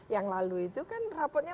yang lalu itu kan rapotnya